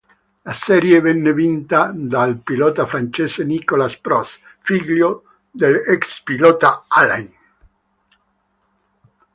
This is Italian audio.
La serie venne vinta dal pilota francese Nicolas Prost, figlio dell'ex pilota Alain.